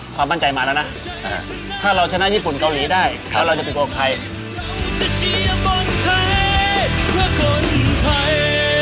ความปันใจมาแล้วนะถ้าเราชนะญี่ปุ่นเกาหลีได้เราจะเป็นคนไทย